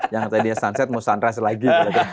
yang tadinya sunset mau sunrise lagi